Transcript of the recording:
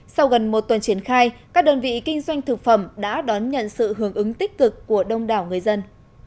sau gần một tuần triển khai các đơn vị kinh doanh thực phẩm đã đón nhận sự hưởng ứng tích cực của đông đảo người dân